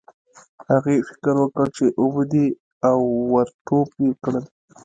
هغې فکر وکړ چې اوبه دي او ور ټوپ یې کړل.